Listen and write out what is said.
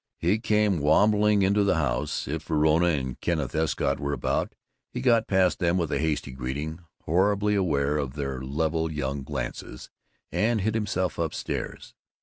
He came wambling into the house. If Verona and Kenneth Escott were about, he got past them with a hasty greeting, horribly aware of their level young glances, and hid himself up stairs.